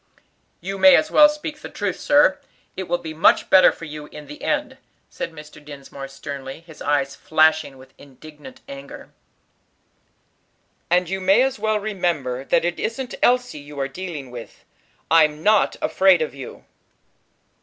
"You may as well speak the truth, sir; it will be much better for you in the end," said Mr. Dinsmore, sternly, his eyes flashing with indignant anger. "And you may as well remember that it isn't Elsie you are dealing with. I'm not afraid of you."